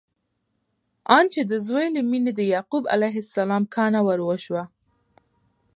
آن چې د زوی له مینې د یعقوب علیه السلام کانه وروشوه!